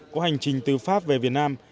của hành trình từ pháp về việt nam